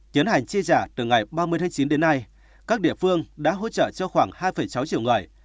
tiến hành chi trả từ ngày ba mươi tháng chín đến nay các địa phương đã hỗ trợ cho khoảng hai sáu triệu người